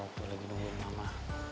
aku lagi nungguin mama